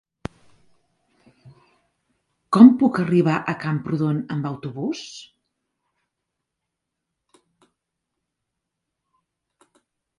Com puc arribar a Camprodon amb autobús?